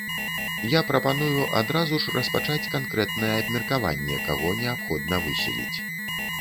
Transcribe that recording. Я прапаную адразу ж распачаць канкрэтнае абмеркаванне, каго неабходна выселіць.